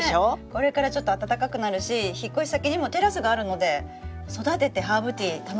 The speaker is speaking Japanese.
これからちょっと暖かくなるし引っ越し先にもテラスがあるので育ててハーブティー楽しめますね。